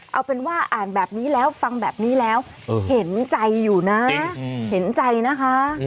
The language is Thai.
เอาเป็นว่าอ่านแบบนี้แล้วฟังแบบนี้แล้วเห็นใจอยู่นะเห็นใจนะคะ